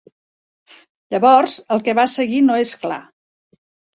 Llavors el que va seguir no és clar.